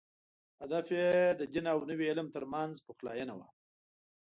هدف یې د دین او نوي علم تر منځ پخلاینه وه.